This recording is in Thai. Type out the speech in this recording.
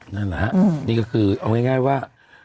นั่นแหละฮะนี่ก็คือเอาง่ายว่า